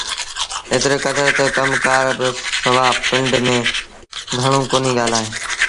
ايتري ڪدر تا ڪم ڪآر کآݩ سوا پنڊ ميݩ گھڻوݩ ڪونهيٚ ڳآلائيٚݩ